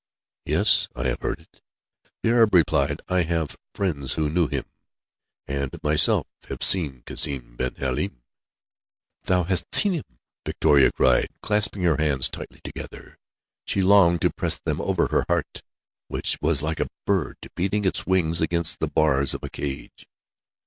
"Yes, I have heard it," the Arab replied. "I have friends who knew him. And I myself have seen Cassim ben Halim." "Thou hast seen him!" Victoria cried, clasping her hands tightly together. She longed to press them over her heart, which was like a bird beating its wings against the bars of a cage.